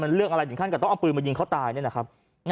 มันเลือกอะไรอย่างนั้นก็ต้องเอาปืนมายิงเขาตายเนี่ยนะครับ